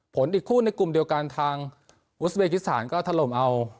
อีกคู่ในกลุ่มเดียวกันทางอุสเบกิสถานก็ถล่มเอา